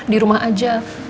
di rumah aja